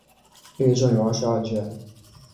列传有二十二卷。